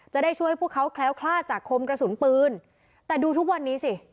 จะได้ช่วยพวกเขาแคล้วคลาดจากคมกระสุนปืนแต่ดูทุกวันนี้สิ